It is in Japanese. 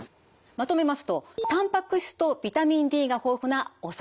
まとめますとたんぱく質とビタミンＤが豊富なお魚。